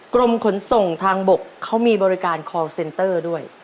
กรมขนส่งทางบกเขามีบริการคอลเซนเตอร์ด้วย